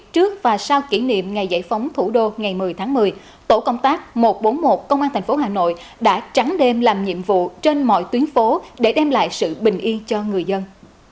trước và sau kỷ niệm ngày giải phóng thủ đô ngày một mươi tháng một mươi tổ công tác một trăm bốn mươi một công an tp hà nội đã trắng đêm làm nhiệm vụ trên mọi tuyến phố để đem lại sự bình yên cho người dân